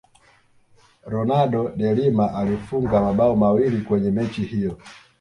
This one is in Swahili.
ronaldo de Lima alifunga mabao mawili kwenye mechi hiyo